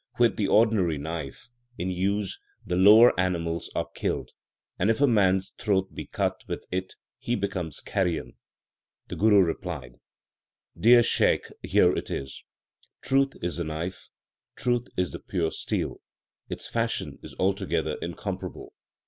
With the ordinary knife in use the lower animals are killed, and if a man s throat be cut with it he becomes carrion. The Guru replied : Dear Shaikh, here it is : Truth is the knife, truth is pure steel ; Its fashion is altogether incomparable.